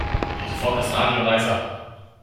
Dreh sofort das Radio leiser